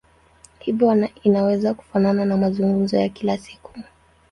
Hivyo inaweza kufanana na mazungumzo ya kila siku.